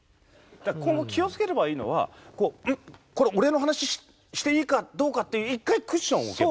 今後気をつければいいのはこれ俺の話していいかどうかって一回クッションを置けば。